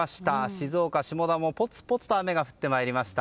静岡・下田もぽつぽつと雨が降ってまいりました。